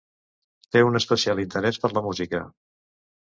Té un especial interès per la música.